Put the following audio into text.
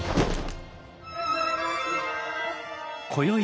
こよい